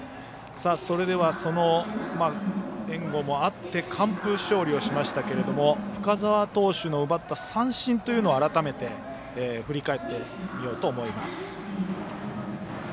それでは、援護もあって完封勝利をしましたけれども深沢投手の奪った三振というのを改めて振り返ってみようと思います。